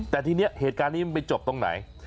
แต่ทีนี้เหตุการณ์นี้มันไปจบตรงไหน